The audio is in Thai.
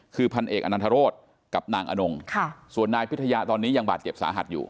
คือพันเอกอนันทรศกับนางอนงส่วนนายพิทยาตอนนี้ยังบาดเจ็บสาหัสอยู่